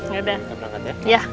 selamat naik ya